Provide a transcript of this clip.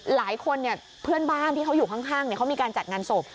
หลายคนเนี่ยเพื่อนบ้านที่เขาอยู่ข้างเขามีการจัดงานศพ